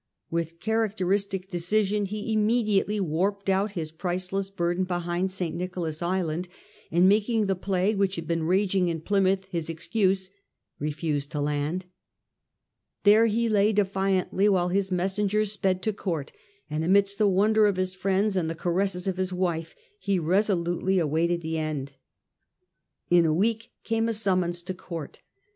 With characteristic decision he immediately warped out his priceless burden behind St. Nicholas Island, and making the plague which had been raging in Plymouth his excuse, refused to land. There he lay defiantly while his messenger sped to Courts and amidst the wonder of his friends and the caresses of his wife he resolutely awaited the end. In a week came a summons to Court.